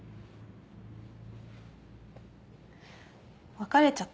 別れちゃった。